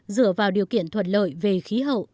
dựa vào điều kiện thuận lợi về khí hậu